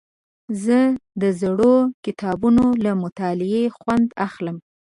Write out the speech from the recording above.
زه د زړو کتابونو له مطالعې خوند اخلم.